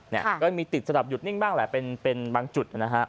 ก็ยังมีติดสดับหยุดนิ่งบ้างแหละเป็นบางจุด